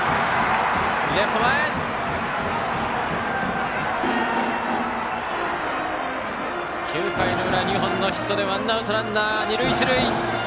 レフト前！９回の裏、２本のヒットでワンアウトランナー、二塁一塁。